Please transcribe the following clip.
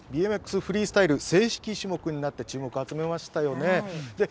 フリースタイルが正式種目となって注目を集めましたよね。